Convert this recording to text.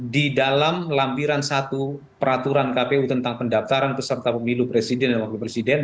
di dalam lampiran satu peraturan kpu tentang pendaftaran peserta pemilu presiden dan wakil presiden